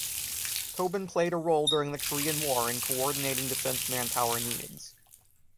Tobin played a role during the Korean War in coordinating defense manpower needs.